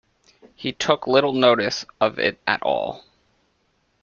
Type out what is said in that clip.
He took little notice of it at all.